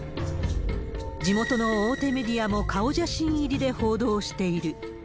地元の大手メディアも顔写真入りで報道している。